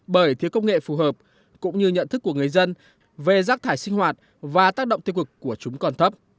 bởi thiếu công nghệ phù hợp cũng như nhận thức của người dân về rác thải sinh hoạt và tác động tiêu cực của chúng còn thấp